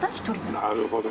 なるほど。